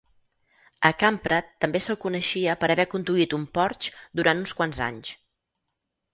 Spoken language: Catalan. A Kamprad també se'l coneixia per haver conduit un Porsche durant uns quants anys.